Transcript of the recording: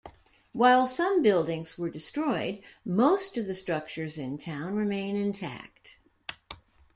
While some buildings were destroyed, most of the structures in town remain intact.